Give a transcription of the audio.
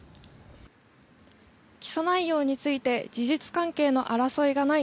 起訴内容について事実関係の争いがない